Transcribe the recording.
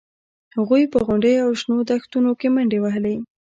هغوی په غونډیو او شنو دښتونو کې منډې وهلې